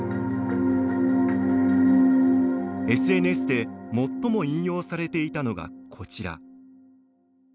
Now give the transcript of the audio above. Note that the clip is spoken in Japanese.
ＳＮＳで最も引用されていたのがこちら。